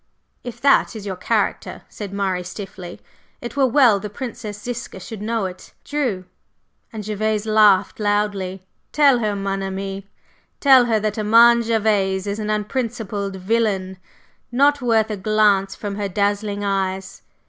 "If that is your character," said Murray stiffly, "it were well the Princess Ziska should know it." "True," and Gervase laughed loudly. "Tell her, mon ami! Tell her that Armand Gervase is an unprincipled villain, not worth a glance from her dazzling eyes!